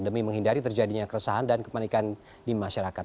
demi menghindari terjadinya keresahan dan kepanikan di masyarakat